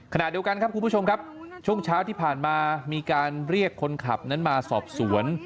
ขณะเดียวกันครับคุณผู้ชมครับช่วงเช้าที่ผ่านมามีการเรียกคนขับนั้นมาสอบสวน